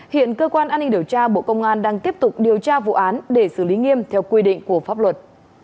hiện cơ quan an ninh điều tra bộ công an đang tiếp tục điều tra vụ án để xử lý nghiêm theo quy định của pháp luật